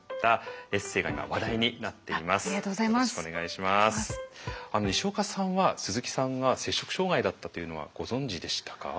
にしおかさんは鈴木さんが摂食障害だったというのはご存じでしたか？